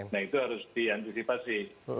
nah itu harus diantisipasi